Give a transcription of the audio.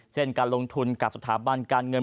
เช่นการลงทุนกับสถาบันการเงิน